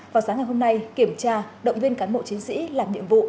vào sáng ngày hôm nay kiểm tra động viên cán bộ chiến sĩ làm nhiệm vụ